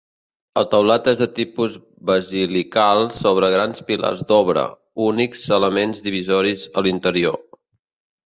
El teulat és de tipus basilical sobre grans pilars d'obra, únics elements divisoris a l'interior.